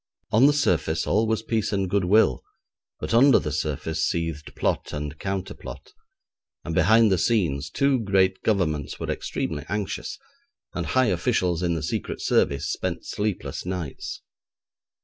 On the surface all was peace and goodwill, but under the surface seethed plot and counterplot, and behind the scenes two great governments were extremely anxious, and high officials in the Secret Service spent sleepless nights.